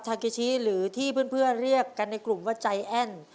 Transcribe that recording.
คากิชิหรือที่เพื่อนเรียกกันในกลุ่มว่าใจแอ้น